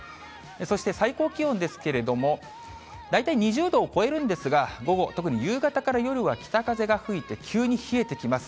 そして最高気温ですけれども、大体２０度を超えるんですが、午後、特に夕方から夜は北風が吹いて、急に冷えてきます。